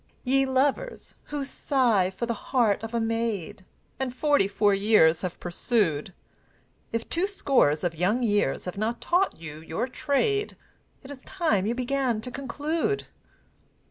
Ye Lovers, who sigh for the heart of a maid, And forty four years have pursued, If two scores of young years have not taught you your trade, It is time you began to conclude.